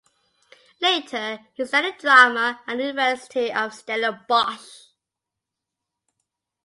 Later he studied drama at the University of Stellenbosch.